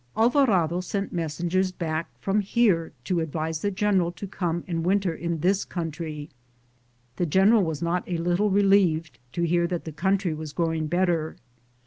Alvarado sent messengers back from here to advise the general to come and winter in this country. The general was not a little relieved to hear that the country was growing better.